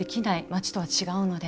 町とは違うので。